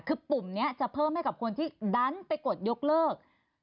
คือปุ่มนี้จะเพิ่มให้กับคนที่ดันไปกดยกเลิก